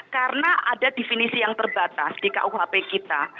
karena ada definisi yang terbatas di kuhp kita